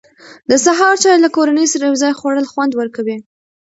د سهار چای له کورنۍ سره یو ځای خوړل خوند ورکوي.